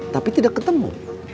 tapi tidak ketemu